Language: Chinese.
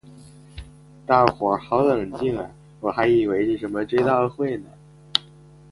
大伙好冷静啊我还以为是什么追悼会呢